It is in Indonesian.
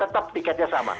tapi tetap tiketnya sama